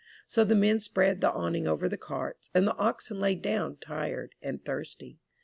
So the men spread the awning over the carts, and the oxen lay down tired and thirsty.